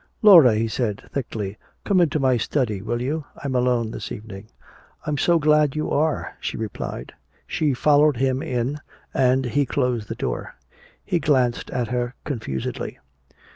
"Laura!" he said thickly. "Come into my study, will you? I'm alone this evening." "I'm so glad you are!" she replied. She followed him in and he closed the door. He glanced at her confusedly.